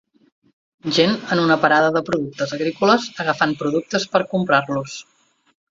Gent en una parada de productes agrícoles agafant productes per comprar-los